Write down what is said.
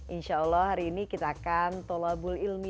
insya allah hari ini kita akan tolabul ilmi